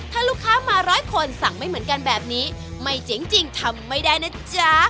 ถ้าลูกค้ามาร้อยคนสั่งไม่เหมือนกันแบบนี้ไม่เจ๋งจริงทำไม่ได้นะจ๊ะ